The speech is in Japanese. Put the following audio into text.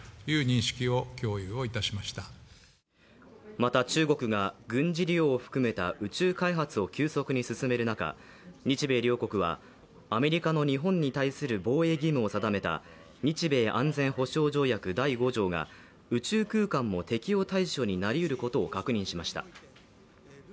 また、中国が軍事利用を含めた宇宙開発を急速に進める中、日米両国はアメリカの日本に対する防衛義務を定めた日米安全保障条約第５条が宇宙空間も適用対象になりうることを確認しました。